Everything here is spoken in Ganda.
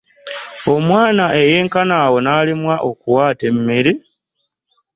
Omwana eyenkana awo n'alemwa n'okuwaata emmere!